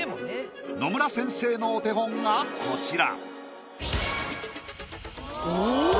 野村先生のお手本がこちら。